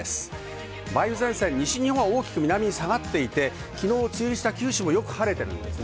梅雨前線、西日本は大きく南に下がっていて、九州もよく晴れています。